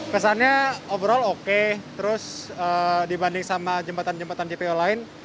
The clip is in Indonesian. kesannya obrol oke terus dibanding sama jembatan jembatan jpo lain